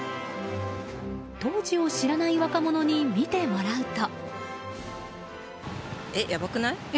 当時を知らない若者に見てもらうと。